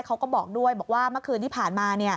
เขาก็บอกด้วยบอกว่าเมื่อคืนที่ผ่านมา